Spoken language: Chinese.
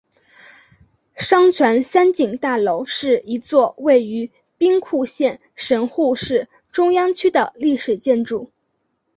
商船三井大楼是一座位于兵库县神户市中央区的历史建筑。